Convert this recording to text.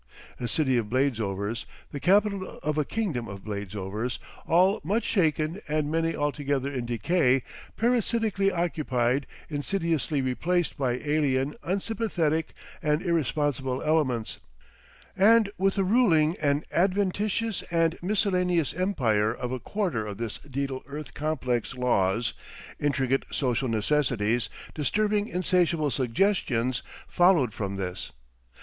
A city of Bladesovers, the capital of a kingdom of Bladesovers, all much shaken and many altogether in decay, parasitically occupied, insidiously replaced by alien, unsympathetic and irresponsible elements; and with a ruling an adventitious and miscellaneous empire of a quarter of this daedal earth complex laws, intricate social necessities, disturbing insatiable suggestions, followed from this.